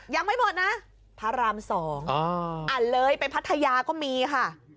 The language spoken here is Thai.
ยังไม่หมดนะพระราม๒อ่านเลยไปพัทยาก็มีค่ะ